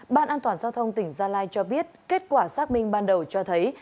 ban an toàn giao thông tỉnh gia lai cho biết kết quả xác minh ban đầu cho thấy